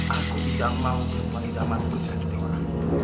aku tidak mau perempuan hidup mati bersakit dewa